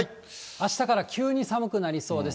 あしたから急に寒くなりそうです。